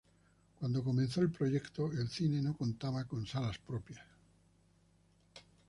Cuando comenzó el proyecto, el cine no contaba con salas propias.